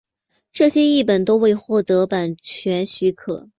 但这些译本都未获版权许可。